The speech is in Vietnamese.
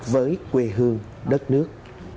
với quê hương đất nước